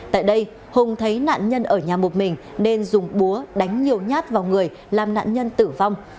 tại đây hùng thấy nạn nhân ở nhà một mình nên dùng búa đánh nhiều nhát vào người làm nạn nhân tử vong